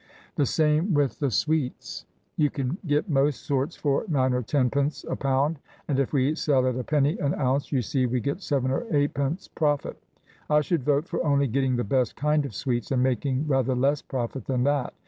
The same with the sweets. You can get most sorts for 9 or 10 pence a pound, and if we sell at a penny an ounce, you see we get 7 or 8 pence profit. I should vote for only getting the best kind of sweets, and making rather less profit than that.